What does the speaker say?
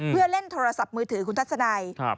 เพื่อเล่นโทรศัพท์มือถือคุณทัศนัย